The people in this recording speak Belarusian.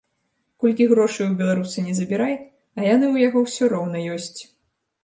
Колькі грошай у беларуса не забірай, а яны ў яго ўсё роўна ёсць.